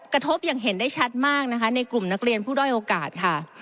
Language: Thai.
กระทบอย่างเห็นได้ชัดมากนะคะในกลุ่มนักเรียนผู้ด้อยโอกาสค่ะ